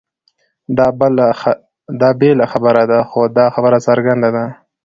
دا بېله خبره ده؛ خو دا خبره څرګنده ده،